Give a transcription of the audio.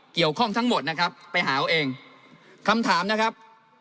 เกี่ยวข้องทั้งหมดนะครับไปหาเอาเองคำถามนะครับ